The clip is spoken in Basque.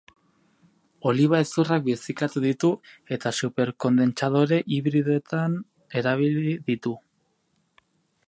Oliba hezurrak birziklatu ditu, eta super-kondentsadore hibridoetan erabili ditu.